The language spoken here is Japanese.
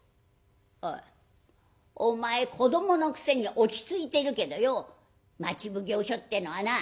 「おいお前子どものくせに落ち着いてるけどよ町奉行所ってのはな